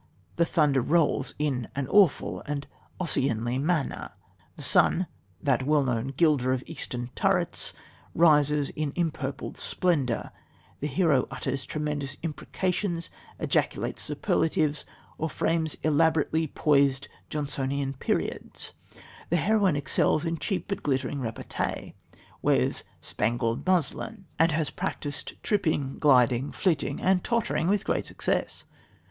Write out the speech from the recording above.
The thunder rolls "in an awful and Ossianly manner"; the sun, "that well known gilder of eastern turrets," rises in empurpled splendour; the hero utters tremendous imprecations, ejaculates superlatives or frames elaborately poised, Johnsonian periods; the heroine excels in cheap but glittering repartee, wears "spangled muslin," and has "practised tripping, gliding, flitting, and tottering, with great success."